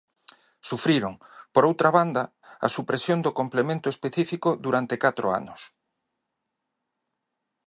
Sufriron, por outra banda, a supresión do complemento específico durante catro anos.